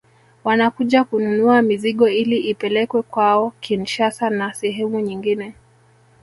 Wanakuja kununua mizigo ili ipelekwe kwao Kinshasa na sehemu nyingine